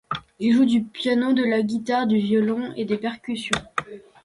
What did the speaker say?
Il joue du piano, de la guitare, du violon et des percussions.